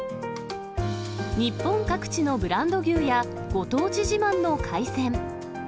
日本各地のブランド牛や、ご当地自慢の海鮮。